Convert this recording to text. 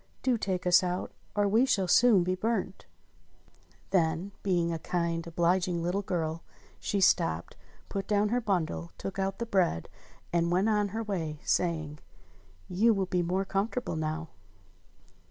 Do take us out or we shall soon be burnt!" Then, being a kind, obliging little girl, she stopped, put 117 it8 ENGLISH FAIRY TALES down her bundle, took out the bread, and went on her way, saying : *'You will be more comfortable now."